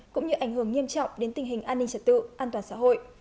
cũng như ảnh hưởng nghiêm trọng đến tình hình an ninh trật tự an toàn xã hội